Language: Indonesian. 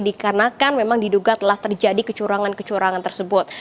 dikarenakan memang diduga telah terjadi kecurangan kecurangan tersebut